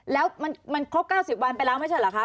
แล้วมันครบ๙๐วันไปแล้วไม่ใช่เหรอคะ